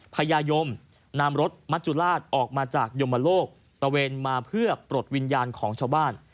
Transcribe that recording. พญายมนำรถมัจจุราชออกมาจากยมโลกตะเวนมาเพื่อปลดวิญญาณของชาวบ้าน